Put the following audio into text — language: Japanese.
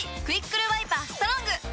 「クイックルワイパーストロング」！